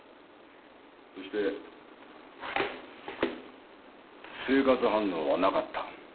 そして生活反応はなかった。